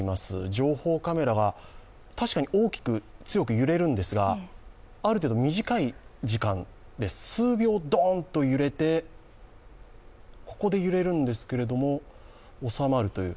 情報カメラは確かに大きく、強く揺れるんですがある程度、短い時間で数秒ドーンと揺れてここで揺れるんですけれども収まるという。